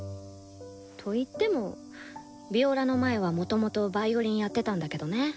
と言ってもヴィオラの前はもともとヴァイオリンやってたんだけどね。